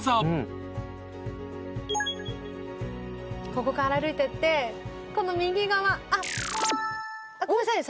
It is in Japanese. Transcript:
ここから歩いてってこの右側あっごめんなさいね